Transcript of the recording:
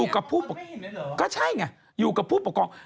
ก็ใช่ไงอยู่กับผู้ปกครอง